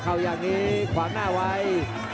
อย่างนี้ขวางหน้าไว้